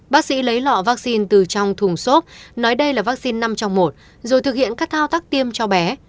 bác sĩ lấy lọ vaccine từ trong thùng xốp nói đây là vaccine năm trong một rồi thực hiện các thao tác tiêm cho bé